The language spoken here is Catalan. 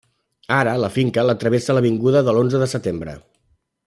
Ara la finca la travessa l'avinguda de l'Onze de Setembre.